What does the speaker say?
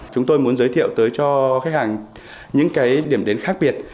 chúng tôi muốn giới thiệu tới cho khách hàng những cái điểm đến khác biệt